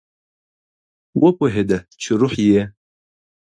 وپوهیده چې روح یې